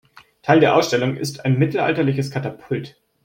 Teil der Ausstellung ist ein mittelalterliches Katapult.